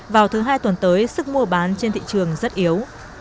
vào thứ hai tuần tới sức mua bán trên thị trường rất yếu